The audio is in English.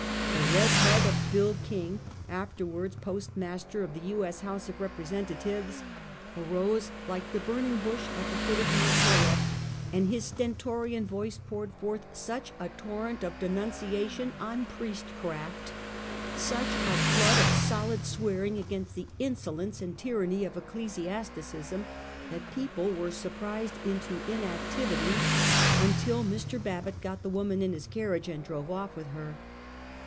The red head of " Bill King," afterwards post master of the U. S. House of Representatives, arose, like the burning bush at the foot of Mount Horeb, and his stentorian voice poured forth such a torrent of denun ciation on priest craft, such a flood of solid swearing against the insolence and tyranny of ecclesiasticism, that people were surprised into inactivity, until Mr. Babbitt got the woman in his carriage and drove oif with her.